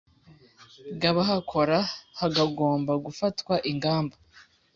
bw abahakora hagomba gufatwa ingamba